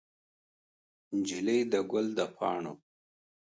نجلۍ د ګل د پاڼو